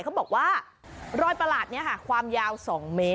เขาบอกว่ารอยประหลาดนี้ค่ะความยาว๒เมตร